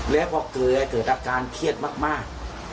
แล้วก็เกลือเกิดอาการเครียดมาก